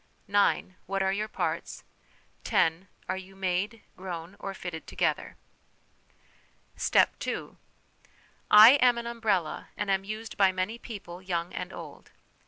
" 9. What are your parts ?" 10. Are you made, grown, or fitted together? " Step II. " I am an umbrella, and am used by many people, young and old.